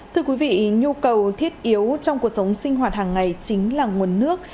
thưa quý vị nhu cầu thiết yếu trong cuộc sống sinh hoạt hàng ngày chính là nguồn nước